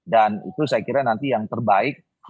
dan itu saya kira nanti yang terbaik